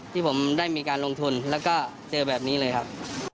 ที่ผมได้มีการลงทุนแล้วก็เจอแบบนี้เลยครับ